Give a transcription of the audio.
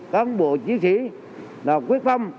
cán bộ chiến sĩ là quyết phong